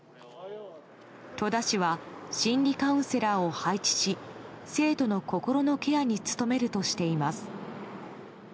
戸田市は心理カウンセラーを配置し生徒の心のケアに努めるとしています。